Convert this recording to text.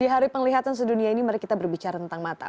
di hari penglihatan sedunia ini mari kita berbicara tentang mata